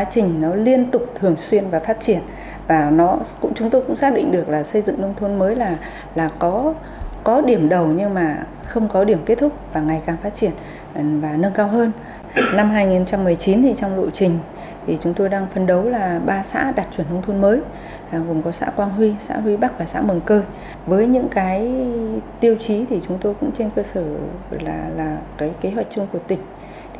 chúng tôi cũng trên cơ sở kế hoạch chung của tỉnh